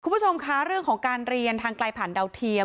คุณผู้ชมคะเรื่องของการเรียนทางไกลผ่านดาวเทียม